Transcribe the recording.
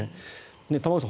玉川さん